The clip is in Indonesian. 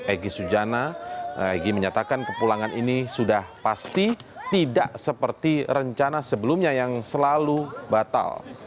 egy sujana egy menyatakan kepulangan ini sudah pasti tidak seperti rencana sebelumnya yang selalu batal